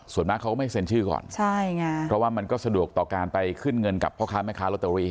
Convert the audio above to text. ส่วนมากเขาก็ไม่เซ็นชื่อก่อนใช่ไงเพราะว่ามันก็สะดวกต่อการไปขึ้นเงินกับพ่อค้าแม่ค้าลอตเตอรี่